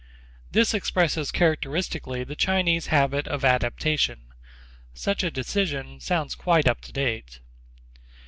This expresses characteristically the Chinese habit of adaptation. Such a decision sounds quite up to date.